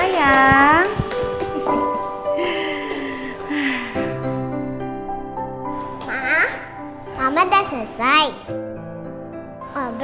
lapsdek ini punya siapa ya